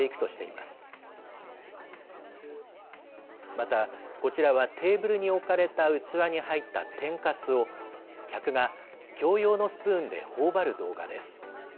また、こちらはテーブルに置かれた器に入った天かすを、客が共用のスプーンでほおばる動画です。